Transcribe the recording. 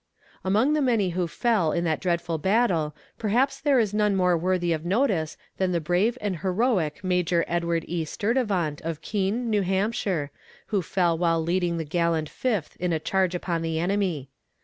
Among the many who fell in that dreadful battle perhaps there is none more worthy of notice than the brave and heroic Major Edward E. Sturtevant, of Keene, New Hampshire, who fell while leading the gallant Fifth in a charge upon the enemy.